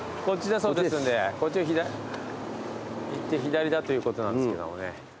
こっちを行って左だということなんですけどもね。